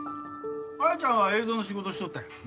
彩ちゃんは映像の仕事しとったんやもんな。